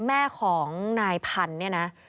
แม่ของนายพันธุ์เนี่ยนะ